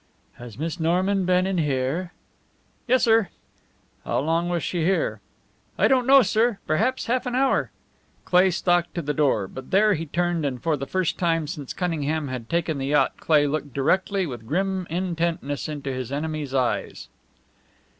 "Has Miss Norman been in here?" "Yes, sir." "How long was she here?" "I don't know, sir; perhaps half an hour." Cleigh stalked to the door, but there he turned, and for the first time since Cunningham had taken the yacht Cleigh looked directly, with grim intentness, into his enemy's eyes.